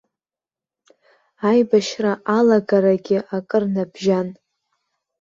Аибашьра алагарагьы акыр набжьан.